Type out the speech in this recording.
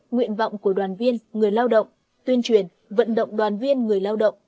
nguyện vọng của đoàn viên người lao động tuyên truyền vận động đoàn viên người lao động